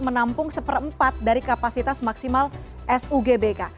menampung satu per empat dari kapasitas maksimal sugbk